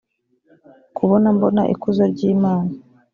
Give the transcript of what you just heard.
kubona mbona ikuzo ry imana